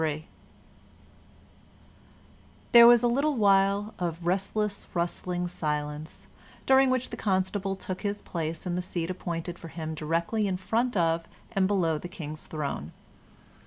CHAPTER 33 There was a little while of restless, rustling silence, during which the Constable took his place in the seat appointed for him directly in front of and below the King's throne.